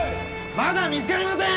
まだ見つかりません！